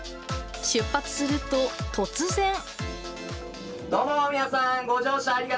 出発すると、突然。